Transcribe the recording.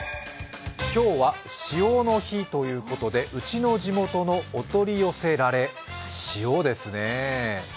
今日は塩の日ということで「ウチの地元のお取り寄せ“られ”」、塩ですね。